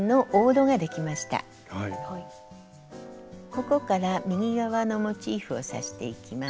ここから右側のモチーフを刺していきます。